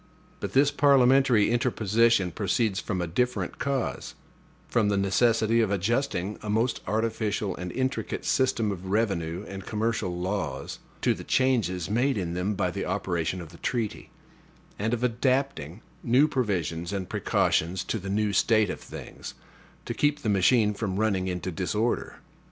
But this parliamentary interposition proceeds from a different cause: from the necessity of adjusting a most artificial and intricate system of revenue and commercial laws, to the changes made in them by the operation of the treaty; and of adapting new provisions and precautions to the new state of things, to keep the machine from running into disorder.